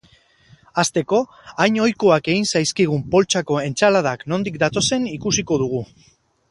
Hasteko, hain ohikoak egin zaizkigun poltsako entsaladak nondik datozen ikusiko dugu.